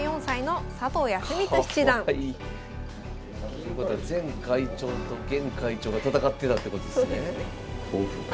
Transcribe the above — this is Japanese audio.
ということは前会長と現会長が戦ってたってことですね。